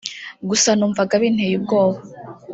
gusa numvaga binteye ubwoba